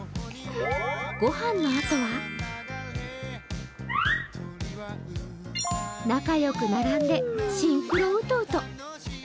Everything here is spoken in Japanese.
ご飯のあとは仲良く並んでシンクロウトウト。